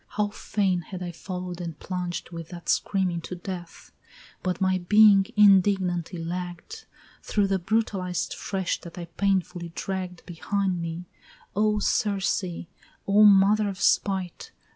How fain had I follow'd, and plunged with that scream Into death, but my being indignantly lagg'd Through the brutalized flesh that I painfully dragg'd Behind me: O Circe! O mother of spite!